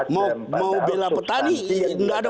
mau bela petani nggak ada